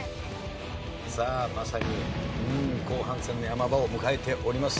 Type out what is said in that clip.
さあまさに後半戦の山場を迎えております。